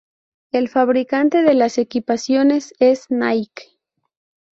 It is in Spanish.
El fabricante de las equipaciones es Nike.